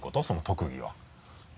その特技は。